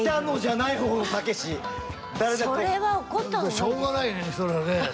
しょうがないねそれはね。